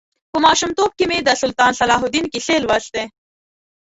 په ماشومتوب کې مې د سلطان صلاح الدین کیسې لوستې.